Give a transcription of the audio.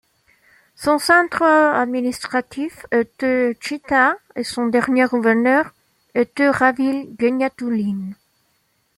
Son centre administratif était Tchita et son dernier gouverneur était Ravil Gueniatouline.